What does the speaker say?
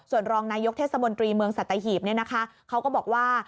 ส่วนรองนายกเทศมนตรีเมืองสัตยาหิบเนี่ยนะคะเขาก็บอกว่า